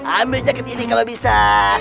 ambil jaket ini kalau bisa